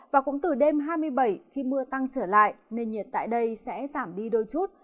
và cũng từ đêm hai mươi bảy khi mưa tăng trở lại nền nhiệt tại đây sẽ giảm đi đôi chút